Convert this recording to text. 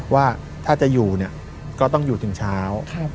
ว่าถ้าจะอยู่เนี่ยก็ต้องอยู่ถึงเช้า